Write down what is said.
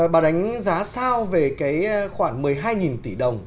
bà đánh giá sao về cái khoảng một mươi hai tỷ đồng